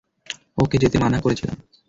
ওকে যেতে মানা করেছিলাম।